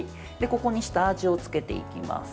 ここに下味をつけていきます。